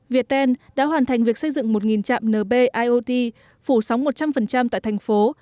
việt tên đã hoàn thành việc xây dựng một chạm nb iot phủ sóng một trăm linh tại thành phố